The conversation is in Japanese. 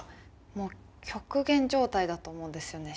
もう極限状態だと思うんですよね